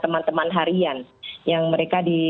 teman teman harian yang mereka di